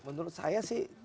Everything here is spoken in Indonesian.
menurut saya sih